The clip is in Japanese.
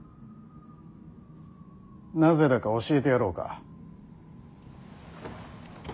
なぜだか教えてやろうか。